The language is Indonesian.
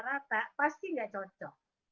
rata pasti gak cocok